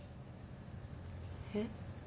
えっ？